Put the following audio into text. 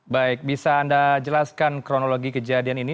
baik bisa anda jelaskan kronologi kejadian ini